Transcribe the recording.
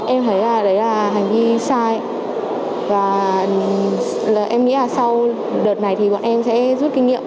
em thấy là đấy là hành vi sai và em nghĩ là sau đợt này thì bọn em sẽ rút kinh nghiệm